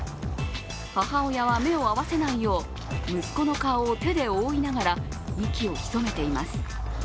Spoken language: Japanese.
母親は目を合わせないよう、息子の顔を手で覆いながら息を潜めています。